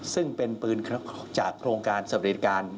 ซึ่งเป็นปืนจากโครงการสำเร็จการ